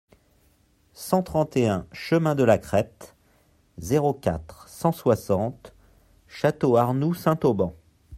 cent trente et un chemin de la Crête, zéro quatre, cent soixante, Château-Arnoux-Saint-Auban